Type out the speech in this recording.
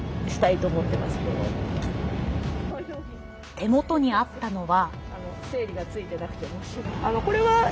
手元にあったのは。